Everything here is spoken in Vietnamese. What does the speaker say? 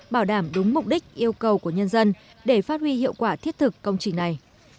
bảo đảm đúng mục đích yêu cầu của nhân dân để phát huy hiệu quả thiết thực công trình này